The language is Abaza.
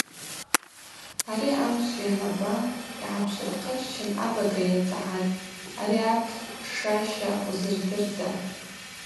Ари амшв йанаба йгӏапшвырхъыччан абага йацӏгӏатӏ: – Ари апш шаща узырдырда?